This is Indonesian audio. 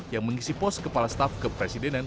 yang mengisi pos kepala staf kepresidenan